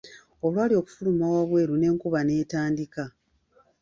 Olwali okufuluma wabweru, n'enkuba n'etandika.